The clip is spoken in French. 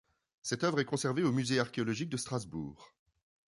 Cette œuvre est conservée au musée archéologique de Strasbourg.